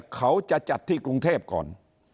เขาจะจัดที่กรุงเทพก่อน